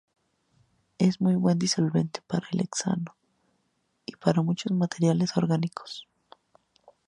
Es muy buen disolvente para el hexano y para muchos materiales orgánicos.